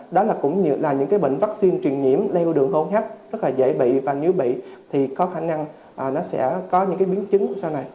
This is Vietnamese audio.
đó cũng là những bệnh vaccine truyền nhiễm leo đường hô hấp rất dễ bị và nếu bị thì có khả năng nó sẽ có những biến chứng sau này